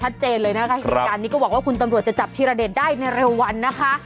เลยนะคะเหตุการณ์นี้ก็หวังว่าคุณตำรวจจะจับธีรเดชได้ในเร็ววันนะคะ